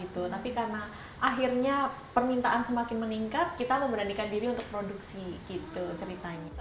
tapi karena akhirnya permintaan semakin meningkat kita memberanikan diri untuk produksi gitu ceritanya